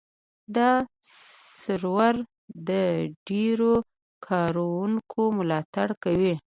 دا سرور د ډېرو کاروونکو ملاتړ کوي.